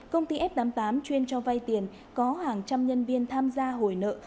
công ty f tám mươi tám chuyên cho vay tiền có hàng trăm nhân viên tham gia hồi nợ